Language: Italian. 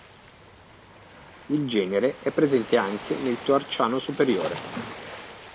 Il genere è presente anche nel Toarciano superiore.